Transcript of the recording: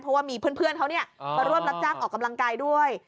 เพราะว่ามีเพื่อนเพื่อนเขาเนี่ยมาร่วมรับจากออกกำลังกายด้วย